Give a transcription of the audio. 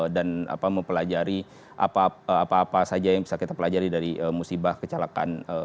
dan mempelajari apa apa saja yang bisa kita pelajari dari musibah kecelakaan